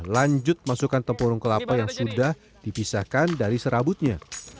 lanjut masukkan tempurung kelapa yang sudah dipisahkan dari serabutnya